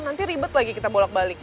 nanti ribet lagi kita bolak balik